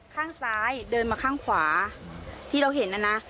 ข้างซ้ายเดินมาข้างขวาที่เราเห็นนะนะ